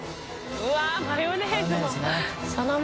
うわぁマヨネーズも。